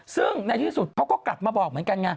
ซึ่งในที่สุดเขาก็กลับมาบอกเหมือนกันไง